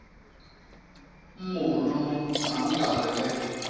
Mut nunu a ñkand le!